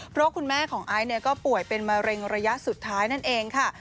เพราะคุณแม่ของไอซ์ก็ป่วยเป็นมะเร็งระยะสุดท้ายนั่นเองค่ะ